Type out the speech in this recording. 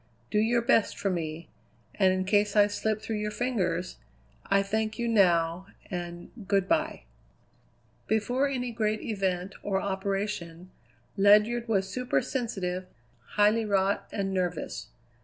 Do your best for me, and in case I slip through your fingers I thank you now, and good bye." Before any great event, or operation, Ledyard was supersensitive, highly wrought, and nervous.